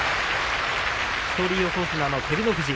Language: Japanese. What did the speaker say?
一人横綱の照ノ富士。